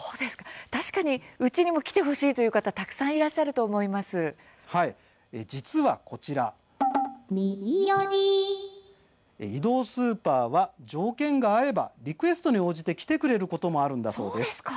確かにうちにも来てほしいという方実はこちら移動スーパーは条件が合えばリクエストに応じて来てくれることもあるんだそうです。